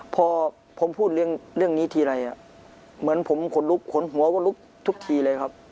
พอผมพูดเรื่องนี้ทีไรเหมือนผมขนลุกขนหัวก็ลุกทุกทีเลยครับ